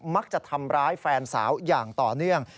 มักจะทำร้ายแฟนสาวอย่างต่อเนื่อง